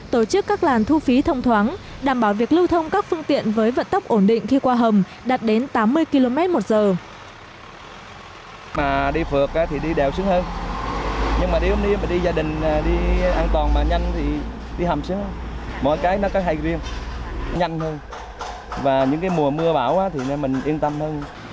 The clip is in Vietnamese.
tổ chức các làn thu phí thông thoáng đảm bảo việc lưu thông các phương tiện với vận tốc ổn định khi qua hầm đạt đến tám mươi km một giờ